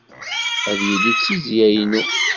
Ad yili d tizzya-inu.